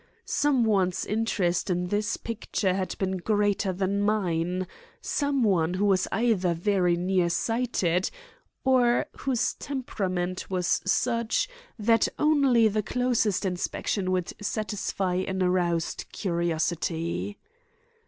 Some one's interest in this picture had been greater than mine; some one who was either very near sighted or whose temperament was such that only the closest inspection would satisfy an aroused curiosity.